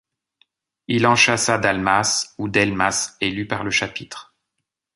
Il en chassa Dalmace ou Delmas élu par le chapitre.